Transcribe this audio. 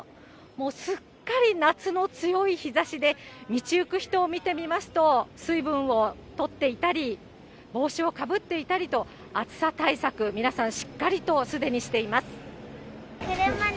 もうすっかり夏の強い日ざしで、道行く人を見てみますと、水分をとっていたり、帽子をかぶっていたりと、暑さ対策、皆さん、しっかりとすでにしています。